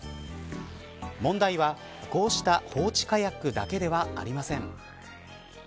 問題は、こうした放置カヤックだけではありません。